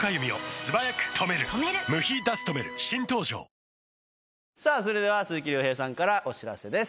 「オシャーメシ」さぁそれでは鈴木亮平さんからお知らせです。